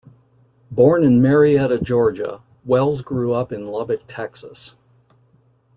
Born in Marietta, Georgia, Wells grew up in Lubbock, Texas.